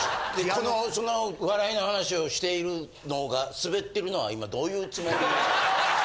このその笑いの話をしているのがスベってるのは今どういうつもり。